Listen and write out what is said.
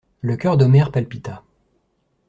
Le cœur d'Omer palpita.